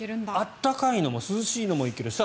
暖かいのも涼しいのもいける。